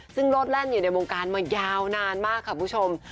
ซึ่งโลดแล่นอยู่ในวงการมายาวนานมากค่ะคุณผู้ชม